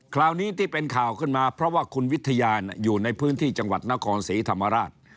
คราวนี้ที่เป็นข่าวขึ้นมาเพราะว่าคุณวิทยาอยู่ในพื้นที่จังหวัดนครศรีธรรมราช